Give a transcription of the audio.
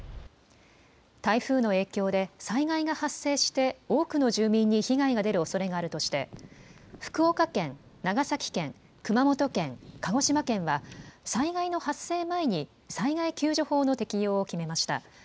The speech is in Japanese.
台風の影響で、災害が発生して多くの住民に被害が出るおそれがあるとして、福岡県、長崎県、熊本県、鹿児島県は、災害の発生前に災害救助法の適用を決めました。